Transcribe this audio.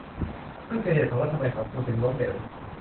นั่นคือคือเหตุผลว่าทำไมคุณถึงล้มเหลว